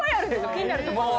気になるところが。